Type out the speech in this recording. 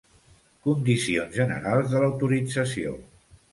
Condicions generals de l'autorització.